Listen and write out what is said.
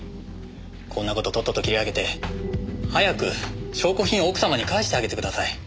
こんな事とっとと切り上げて早く証拠品を奥様に返してあげてください。